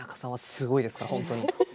すごいです本当に。